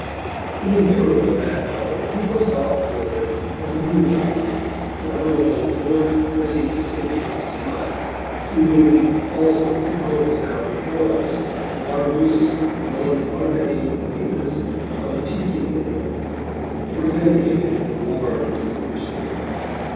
In the hero of that novel people saw a portrait of the leader of the group, the Hon. George Percy Sydney Smythe, to whom also the poems now before us, parvus non parvae pignus amicitiae, were dedicated in a warm inscription.